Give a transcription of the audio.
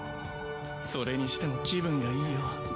それにしても気分がいいよ。